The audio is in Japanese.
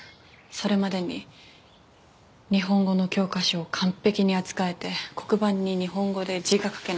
それまでに日本語の教科書を完璧に扱えて黒板に日本語で字が書けないといけない。